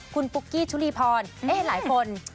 คุณปุ๊กกี้ชุลีพรหลายคน